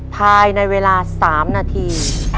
ภายในเวลา๓นาที